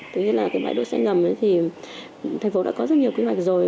từ khi là cái bãi đỗ xe ngầm ấy thì thành phố đã có rất nhiều quy hoạch rồi